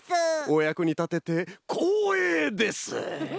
おやくにたててこうえいです！